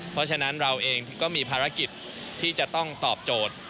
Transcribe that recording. เพราะฉะนั้นเราเองก็มีภารกิจที่จะต้องตอบโจทย์